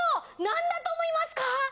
なんだと思いますか？